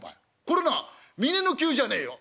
これな峯の灸じゃねえよ